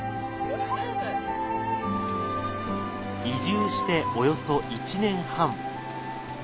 移住しておよそ１年半。